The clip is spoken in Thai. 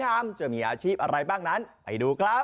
ก็ต้องได้ไม่จบตายละครั้งนี้